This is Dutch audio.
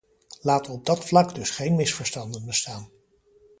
Laat op dat vlak dus geen misverstanden bestaan.